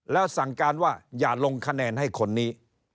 แล้วสั่งการว่าอย่าลงคะแนนให้คนนี้